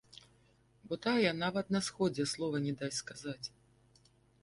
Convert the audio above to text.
Бо тая нават на сходзе слова не дасць сказаць.